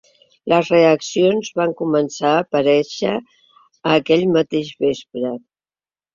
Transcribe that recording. Les reaccions van començar a aparèixer aquell mateix vespre.